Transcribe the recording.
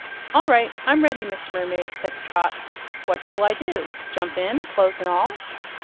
"All right, I'm ready, Miss Mermaid," said Trot. "What shall I do? Jump in, clothes and all?"